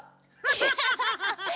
ハハハハ！